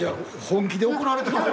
本気で怒られて。